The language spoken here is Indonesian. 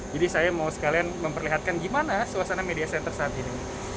jadi saya mau sekalian memperlihatkan gimana suasana media center saat ini